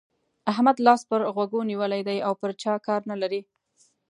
احمد لاس پر غوږو نيولی دی او پر چا کار نه لري.